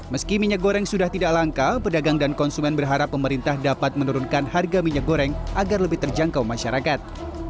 meski minyak goreng sudah tidak langka pedagang dan konsumen berharap pemerintah dapat menurunkan harga minyak goreng agar lebih terjangkau masyarakat